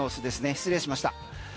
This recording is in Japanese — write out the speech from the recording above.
失礼しました。